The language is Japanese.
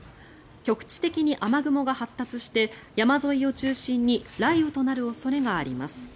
局地的に雨雲が発達して山沿いを中心に雷雨となる恐れがあります。